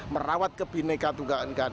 merawat kebhinneka tugas negara